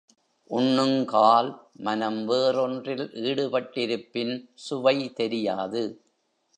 உண்ணுங்கால் மனம் வேறொன்றில் ஈடுபட்டிருப்பின் சுவை தெரியாது.